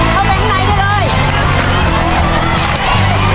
เข้าไปได้เลยลุกเข้าไปข้างในได้เลย